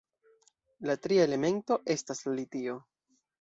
La tria elemento estas la litio.